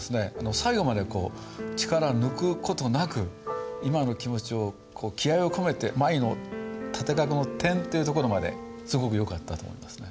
最後まで力抜く事なく今の気持ちを気合いを込めて「舞」の縦画の点というところまですごくよかったと思いますね。